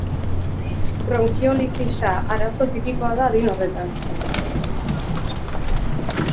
Bronkiolitisa arazo tipikoa da adin horretan.